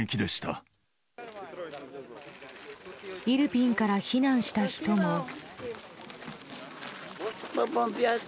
イルピンから避難した人も。